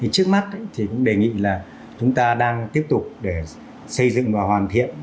trước mắt thì cũng đề nghị là chúng ta đang tiếp tục để xây dựng và hoàn thiện